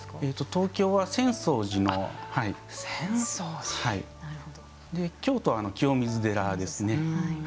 東京は浅草寺で京都は清水寺ですね。